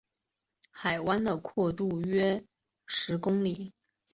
海湾的阔度是约十公里。